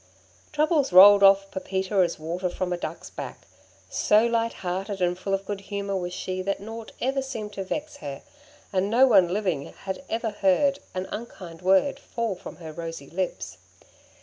"Troubles rolled off Pepita as water from a duck's back. So lighthearted and full of good humour was she that nought ever seemed to vex her, and no one living had ever heard an unkind word fall from her rosy lips.